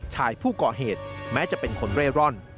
ชายผู้ก่อเหตุแม้จะเป็นคนเร่ร่อน